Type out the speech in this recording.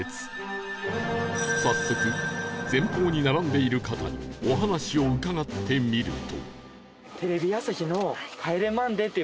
早速前方に並んでいる方にお話を伺ってみると